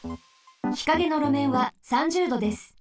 日陰のろめんは３０℃です。